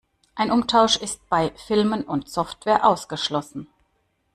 Ein Umtausch ist bei Filmen und Software ausgeschlossen.